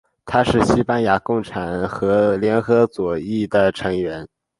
他是西班牙共产党和联合左翼的成员。